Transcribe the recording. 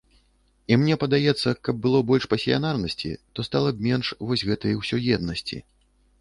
І мне падаецца, каб было больш пасіянарнасці, то стала б менш вось гэтай усёеднасці.